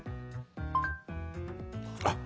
あっ！